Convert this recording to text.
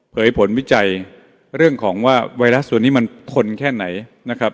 เผยผลวิจัยเรื่องของว่าไวรัสตัวนี้มันคนแค่ไหน